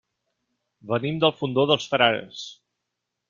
Venim del Fondó dels Frares.